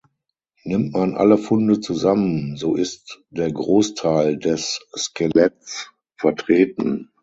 Nimmt man alle Funde zusammen, so ist der Großteil des Skeletts vertreten.